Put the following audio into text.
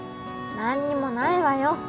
何にもないわよ